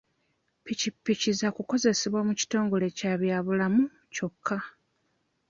Ppikippiki zaakukozesebwa mu kitongole kya byabulamu kyokka.